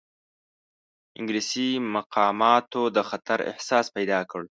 انګلیسي مقاماتو د خطر احساس پیدا کړ.